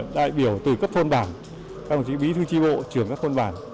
đại biểu từ cấp thôn bản các đồng chí bí thư tri bộ trưởng các thôn bản